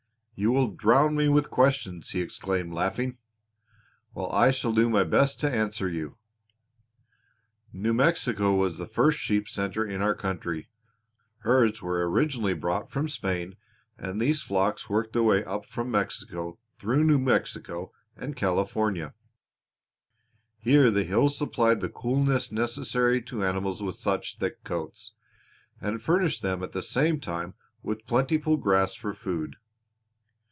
"You will drown me with questions!" he exclaimed laughing. "Well, I shall do my best to answer you. New Mexico was the first sheep center in our country. Herds were originally brought from Spain, and these flocks worked their way up from Mexico through New Mexico and California; here the hills supplied the coolness necessary to animals with such thick coats, and furnished them at the same time with plentiful grass for food.